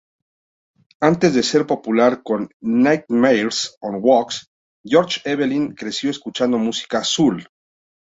Antes de ser popular con Nightmares on Wax, George Evelyn creció escuchando música soul.